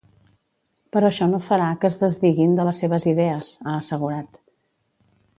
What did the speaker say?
Però això no farà que es desdiguin de les seves idees, ha assegurat.